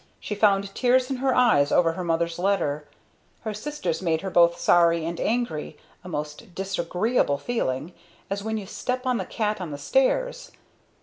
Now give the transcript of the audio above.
She found tears in her eyes over her mother's letter. Her sister's made her both sorry and angry a most disagreeable feeling as when you step on the cat on the stairs.